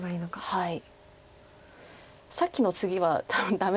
はい。